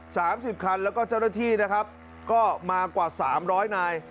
สามสิบคันแล้วก็เจ้าหน้าที่นะครับก็มากว่าสามร้อยนาย